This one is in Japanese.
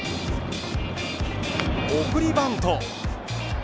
送りバント。